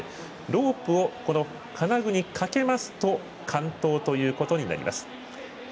ロープを、この金具に掛けますと完登ということになります。